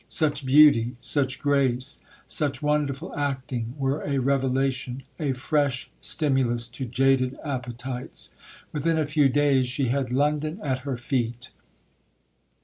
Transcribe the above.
Such beauty, such grace, such wonderful acting were a revelation, a fresh stimulus to jaded appetites. Within a few days she had London at her feet.